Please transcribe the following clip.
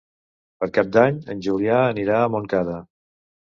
Per Cap d'Any en Julià anirà a Montcada.